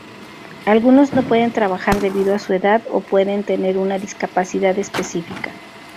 Algunos no pueden trabajar debido a su edad o pueden tener una discapacidad específica.